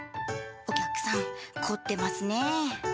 お客さん、凝ってますね。